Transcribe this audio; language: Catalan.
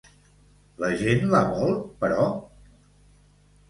La gent la vol, però?